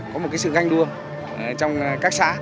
có một cái sự ganh đua trong các xã